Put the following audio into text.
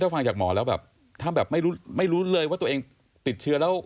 ถ้าฟังจากหมอแล้วถ้าไม่รู้เลยว่าตัวเองติดเชื้อแล้ว